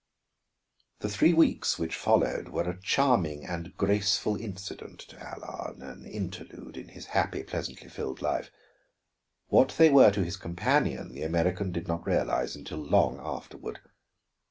The three weeks which followed were a charming and graceful incident to Allard, an interlude in his happy, pleasantly filled life. What they were to his companion, the American did not realize until long afterward.